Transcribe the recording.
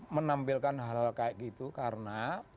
menampilkan hal hal kayak gitu karena